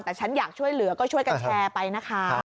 แต่ฉันอยากช่วยเหลือก็ช่วยกันแชร์ไปนะคะ